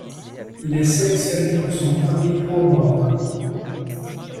Il est sélectionné pour son premier Pro Bowl.